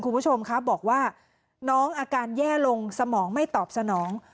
คุณผู้ชมครับบอกว่าน้องอาการแย่ลงสมองไม่ตอบสนอง